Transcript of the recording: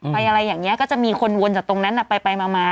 ไปอะไรอย่างเนี๊ยะก็จะมีคนวนจากตรงนั้นน่ะไปมา